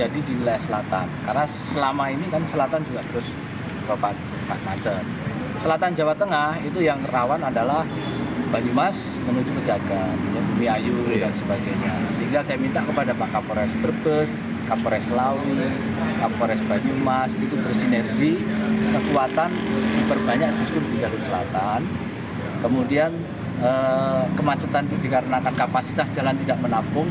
di jalur selatan kemudian kemacetan itu dikarenakan kapasitas jalan tidak menampung